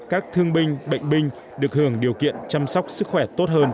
các thương binh bệnh binh được hưởng điều kiện chăm sóc sức khỏe tốt hơn